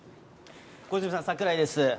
小泉さん、櫻井です。